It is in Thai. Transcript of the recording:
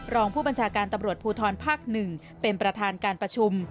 รองผู้บัญชาการตำรวจภูทรภาค๑เป็นประธานการประชุม